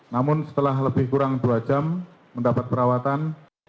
namun setelah kurang lebih dua jam mendapat perawatan